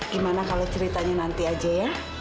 gimana kalau ceritanya nanti aja ya